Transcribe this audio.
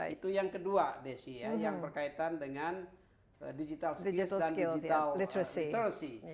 itu yang kedua desi ya yang berkaitan dengan digital skills dan digital literacy